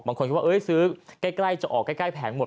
บางคนก็ว่าซื้อใกล้จะออกใกล้แผงหมด